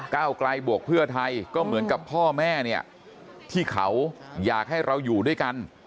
ก้าวไกลบวกเพื่อไทยก็เหมือนกับพ่อแม่เนี่ยที่เขาอยากให้เราอยู่ด้วยกัน